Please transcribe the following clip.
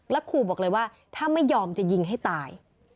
ขู่บอกเลยว่าถ้าไม่ยอมจะยิงให้ตาย